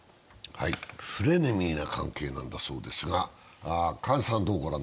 フレネミーな関係だそうですが。